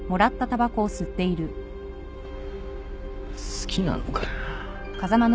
好きなのかよ。